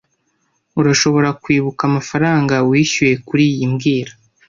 Urashobora kwibuka amafaranga wishyuye kuriyi mbwira